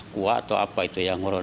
buah atau apa itu ya